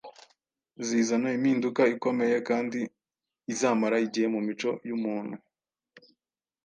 zizana impinduka ikomeye kandi izamara igihe mu mico y’umuntu.